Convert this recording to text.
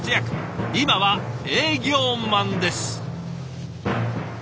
今は営業マンです！